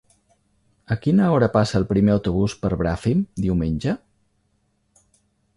A quina hora passa el primer autobús per Bràfim diumenge?